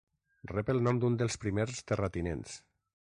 Rep el nom d'un dels primers terratinents.